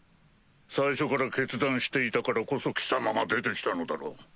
最初から決断していたからこそ貴様が出て来たのだろう。